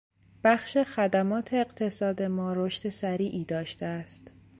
بخش خدمات اقتصاد ما رشد سریعی داشته است.